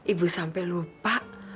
ibu sampai lupa